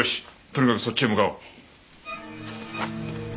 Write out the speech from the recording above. とにかくそっちへ向かおう。